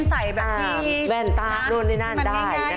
ใส่แบบนี้แม่นตานู่นนี่นั่นได้